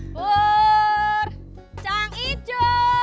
pur cang ijo